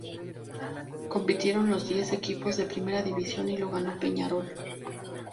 Compitieron los diez equipos de Primera División y lo ganó Peñarol.